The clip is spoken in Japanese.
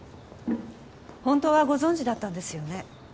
本当はご存じだったんですよね